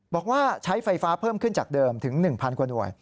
บอกว่าใช้ไฟฟ้าเพิ่มขึ้นจากเดิมถึง๑๐๐กว่าหน่วย